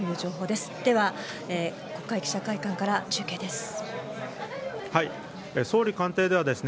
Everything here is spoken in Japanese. では、国会記者会館から中継です。